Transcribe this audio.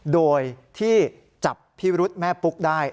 โดยที่จับพิรุษแม่ปุ๊กได้